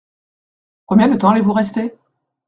Combien de temps allez-vous rester ?